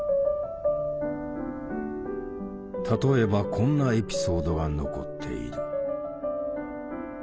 例えばこんなエピソードが残っている。